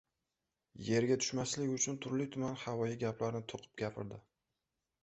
Yerga tushmaslik uchun turli-tuman havoyi gaplarni to‘qib gapirdi: